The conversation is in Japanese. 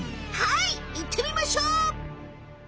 いってみましょう。